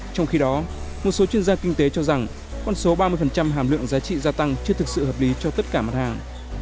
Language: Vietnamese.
trong khi đó một số chuyên gia kinh tế cho rằng con số ba mươi hàm lượng giá trị gia tăng chưa thực sự hợp lý cho tất cả mặt hàng